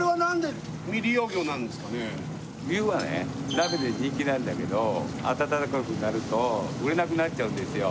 鍋で人気なんだけど、暖かくなると売れなくなっちゃうんですよ。